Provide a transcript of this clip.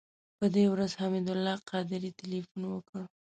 په دې ورځ حمید الله قادري تیلفون وکړ.